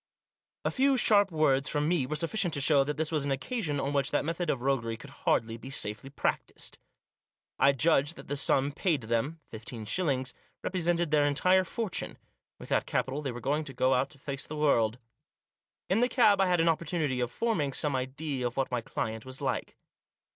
A few sharp words from me were sufficient to show that this was an occasion on which that method of roguery could hardly be safely practised. I judged that the sum paid them — fifteen shillings — represented their entire fortune. With that capital they were going out to face the world. In the cab I had an opportunity of forming some idea of what my client was like.